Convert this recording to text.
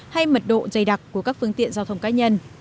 hay mật độ dày đặc của các phương tiện giao thông cá nhân